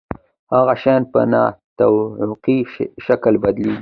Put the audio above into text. هغه شیان په نا توقعي شکل بدلیږي.